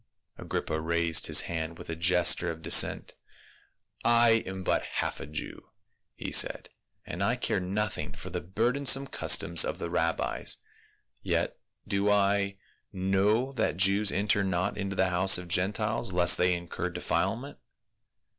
Agrippa raised his hand with a gesture of dissent. " I am but half a Jew," he said, " and I care nothing for the burdensome customs of the rabbis, yet do I know that Jews enter not into the houses of Gentiles lest they incur defilement."